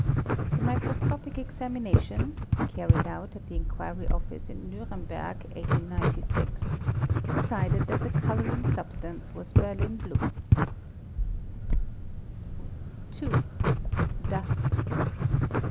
The / tnicroscopic examination (carried out at the inquiry office in Niiremberg, f 1896) decided that the colouring substance was berlin blue®®, Ge : 2. Dust.